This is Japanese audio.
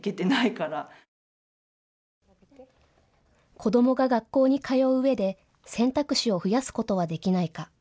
子どもが学校に通ううえで選択肢を増やすことはできないか。